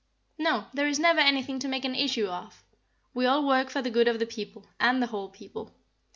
"No. There is never anything to make an issue of. We all work for the good of the people, and the whole people.